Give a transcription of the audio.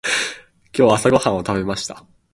今日朝ごはんを食べました。